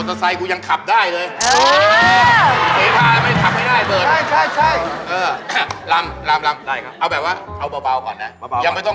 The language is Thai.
โถนึงว่านักมั้งพื้น